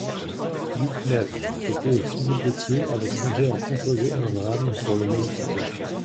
huit-neuf), que Théophile Gautier avait songé à composer un drame sur le même sujet.